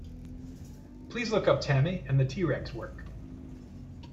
Please look up Tammy and the T-Rex work.